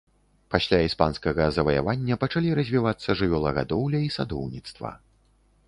Пасля іспанскага заваявання пачалі развівацца жывёлагадоўля і садоўніцтва.